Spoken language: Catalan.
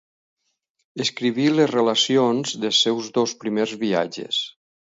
Escriví les relacions dels seus dos primers viatges.